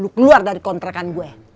keluar dari kontrakan gue